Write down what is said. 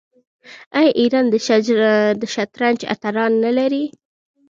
آیا ایران د شطرنج اتلان نلري؟